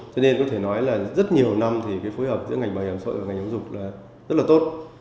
cho nên có thể nói là rất nhiều năm thì cái phối hợp giữa ngành bảo hiểm xã hội và ngành giáo dục là rất là tốt